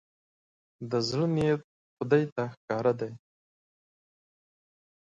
د زړه نيت خدای ته ښکاره دی.